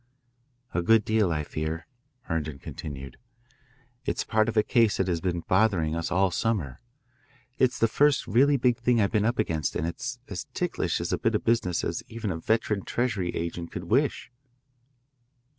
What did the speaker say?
"A good deal, I fear," Herndon continued. "It's part of a case that has been bothering us all summer. It's the first really big thing I've been up against and it's as ticklish a bit of business as even a veteran treasury agent could wish."